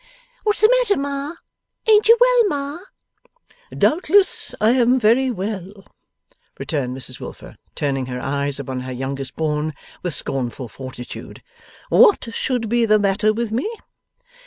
What's the matter, Ma? Ain't you well, Ma?' 'Doubtless I am very well,' returned Mrs Wilfer, turning her eyes upon her youngest born, with scornful fortitude. 'What should be the matter with Me?